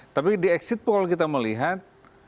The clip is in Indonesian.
tapi di exit poll kita melihat